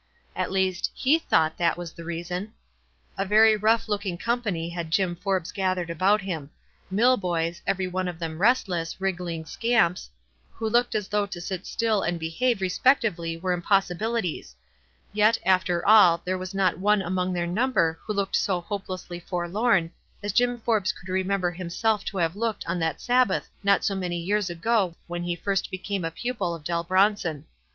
At least, he thought that was the reason. A very rough looking company had Jim Forbes gathered about him — mill boys, every one of them restless, wriggling scamps, who looked as though to sit still and behave respectably were impossibilities ; yet after nil. WISE AND OTHERWISE. 237 there was not one among their number who looked so hopelessly forlorn as Jim Forbes could remember himself to have looked on that Sabbath not so many years ago when he first became a pupil of Dell Bronson.